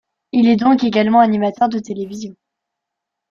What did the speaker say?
Il est donc également animateur de télévision.